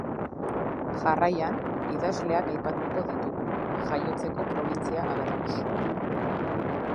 Jarraian, idazleak aipatuko ditugu, jaiotzeko probintzia agertuz.